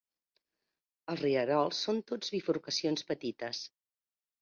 Els rierols són tots bifurcacions petites.